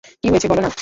কী হয়েছে বলো না?